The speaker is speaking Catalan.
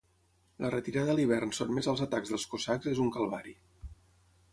La retirada a l’hivern sotmesa als atacs dels Cosacs és un calvari.